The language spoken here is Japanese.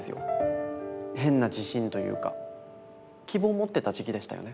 変な自信というか希望を持ってた時期でしたよね